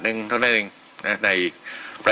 เรียกอะไรอ่ะ